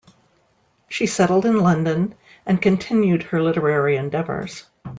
She settled in London and continued her literary endeavours.